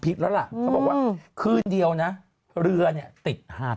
ปรากฏว่า